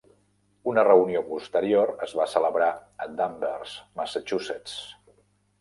Una reunió posterior es va celebrar a Danvers, Massachusetts.